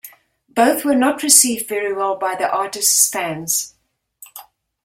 Both were not received very well by the artist's fans.